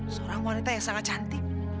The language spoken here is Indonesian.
seorang wanita yang sangat cantik